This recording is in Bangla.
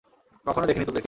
কখনও দেখিনি তোদেরকে।